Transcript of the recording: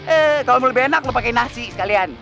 eh kalau mau lebih enak lo pakai nasi sekalian